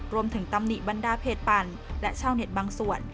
ตำหนิบรรดาเพจปั่นและชาวเน็ตบางส่วน